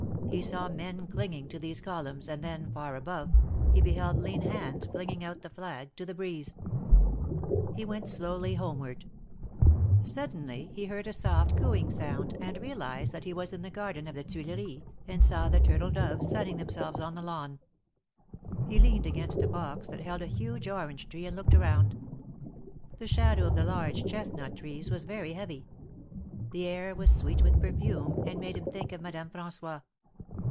He saw men clinging to these columns, and then far above, he beheld lean hands flinging out the flag to the breeze. He went slowly homeward. THE MARKETS OF PARIS. 283 Suddenly he heard a soft cooing sound, and realized that he was in the garden of the Tuileries, and saw the turtle doves sunning themselves (.n the lawn. He leaned against a box that held a huge orange tree and looked around. The shadow of the large chestnut trees was very heavy. The air was sweet with perfume, and made him think of Madame Fran9ois.